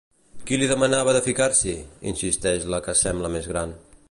Qui li demanava de ficar-s'hi? —insisteix la que sembla més gran.